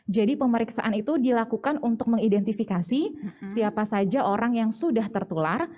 jadi pemeriksaan itu dilakukan untuk mengidentifikasi siapa saja orang yang sudah tertular